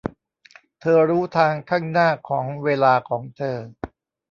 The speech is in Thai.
เธอรู้ทางข้างหน้าของเวลาของเธอ